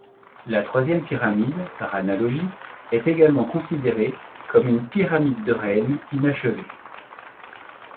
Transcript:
La troisième pyramide par analogie est également considérée comme une pyramide de reine inachevée.